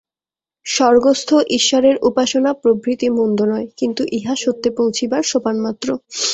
স্বর্গস্থ ঈশ্বরের উপাসনা প্রভৃতি মন্দ নয়, কিন্তু ইহা সত্যে পৌঁছিবার সোপানমাত্র।